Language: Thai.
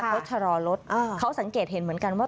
เขาชะลอรถเขาสังเกตเห็นเหมือนกันว่า